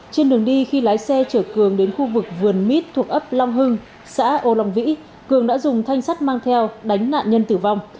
trên đường đi khi lái xe chở cường đến khu vực vườn mít thuộc ấp long hưng xã ô long vĩ cường đã dùng thanh sắt mang theo đánh nạn nhân tử vong